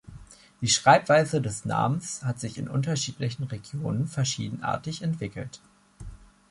Die Schreibweise des Namens hat sich in unterschiedlichen Regionen verschiedenartig entwickelt.